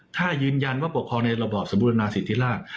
ถ้ายืนยันว่าปกครองในระบอบสมบูรณาสิทธิราช